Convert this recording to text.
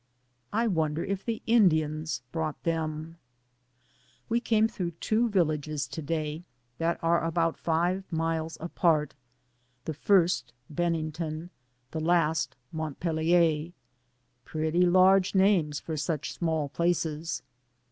I wonder if the Indians brought them ? We came through two villages to day; they are about five miles apart. The first Bennington, the last Montpelier — pretty large names for such small places.